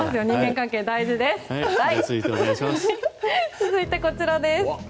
続いてはこちらです。